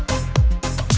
semoga sehat ye